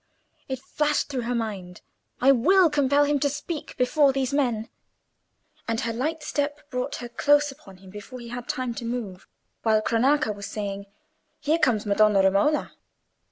It flashed through her mind—"I will compel him to speak before those men." And her light step brought her close upon him before he had time to move, while Cronaca was saying, "Here comes Madonna Romola."